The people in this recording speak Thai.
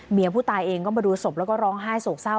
ผู้ตายเองก็มาดูศพแล้วก็ร้องไห้โศกเศร้า